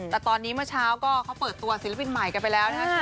แต่ตอนนี้เมื่อเช้าก็เขาเปิดตัวศิลปินใหม่กันไปแล้วนะคะ